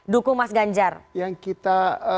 dukung mas ganjar yang kita